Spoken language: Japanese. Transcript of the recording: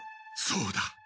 そうだ。